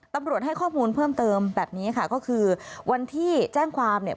ตำรวจให้ข้อมูลเพิ่มเติมแบบนี้ค่ะก็คือวันที่แจ้งความเนี่ย